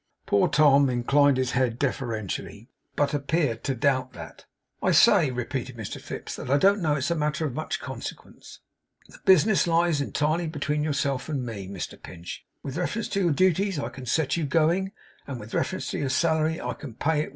Poor Tom inclined his head deferentially, but appeared to doubt that. 'I say,' repeated Mr Fips, 'that I don't know it's a matter of much consequence. The business lies entirely between yourself and me, Mr Pinch. With reference to your duties, I can set you going; and with reference to your salary, I can pay it.